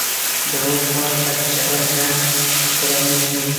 د اوښ بار په چيغل نه درنېږي.